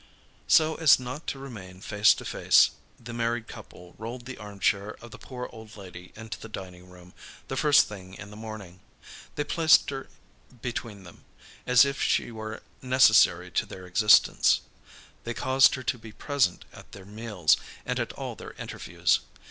So as not to remain face to face, the married couple rolled the armchair of the poor old lady into the dining room, the first thing in the morning. They placed her between them, as if she were necessary to their existence. They caused her to be present at their meals, and at all their interviews.